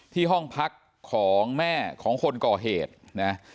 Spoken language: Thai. ห้องพักของแม่ของคนก่อเหตุนะ